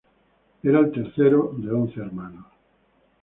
Era el tercero de once hermanos.